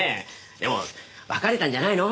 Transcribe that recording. でも別れたんじゃないの？